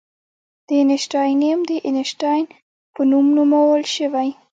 د اینشټاینیم د اینشټاین په نوم نومول شوی.